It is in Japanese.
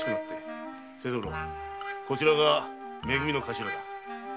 こちらがめ組の頭だ。